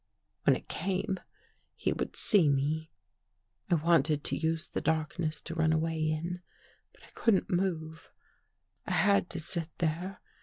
When it came, he would see me. I wanted to use the darkness to run away in, but I couldn't move. I had to sit there.